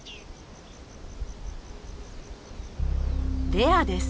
レアです。